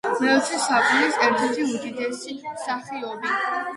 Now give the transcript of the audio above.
მეოცე საუკუნის ერთ-ერთი უდიდესი მსახიობი.